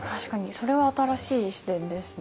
それは新しい視点ですね。